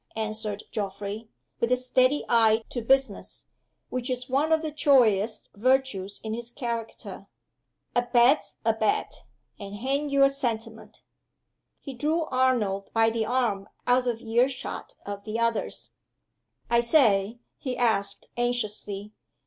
answered Geoffrey, with the steady eye to business, which was one of the choicest virtues in his character. "A bet's a bet and hang your sentiment!" He drew Arnold by the arm out of ear shot of the others. "I say!" he asked, anxiously.